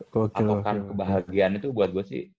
patokan kebahagiaan itu buat gue sih